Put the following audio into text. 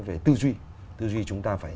về tư duy tư duy chúng ta phải